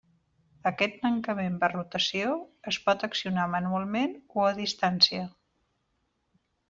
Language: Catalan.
Aquest tancament per rotació es pot accionar manualment o a distància.